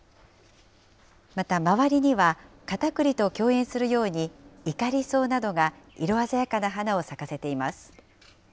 また周りには、カタクリと競演するように、イカリソウなどが色鮮やかな花を咲かせています。